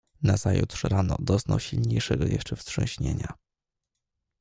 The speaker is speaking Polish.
"Nazajutrz rano doznał silniejszego jeszcze wstrząśnienia."